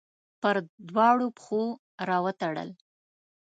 پر دواړو پښو راوتړل